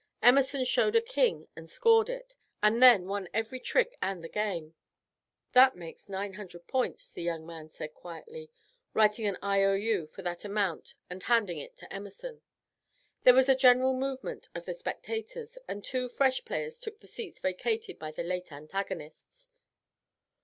Emerson showed a king and scored it, and then won every trick and the game. "That makes nine hundred pounds," the young man said quietly, writing an IOU for that amount and handing it to Emerson. There was a general movement of the spectators, and two fresh players took the seats vacated by the late antagonists.